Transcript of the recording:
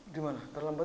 gimana terlambat apa